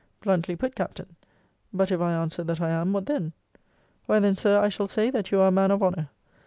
Bluntly put, Captain. But if I answer that I am, what then? Why then, Sir, I shall say, that you are a man of honour.